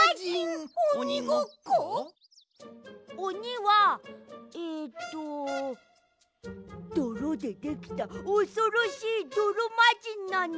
おにはえっとどろでできたおそろしいどろまじんなんだ。